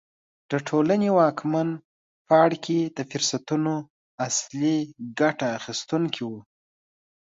د ټولنې واکمن پاړکي د فرصتونو اصلي ګټه اخیستونکي وو.